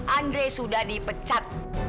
andre sudah dipecat